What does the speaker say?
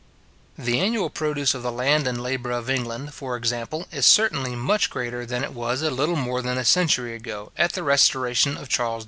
The annual produce of the land and labour of England, for example, is certainly much greater than it was a little more than a century ago, at the restoration of Charles II.